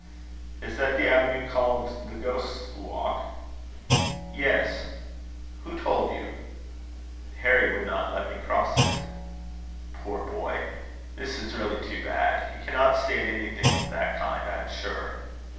"Is that the avenue called the Ghost's Walk?" "Yes. Who told you?" "Harry would not let me cross it." "Poor boy! This is really too bad. He cannot stand anything of that kind, I am sure.